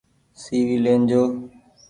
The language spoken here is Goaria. سي وي لين جو۔